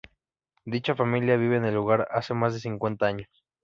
Dicha familia vive en el lugar hace más de cincuenta años.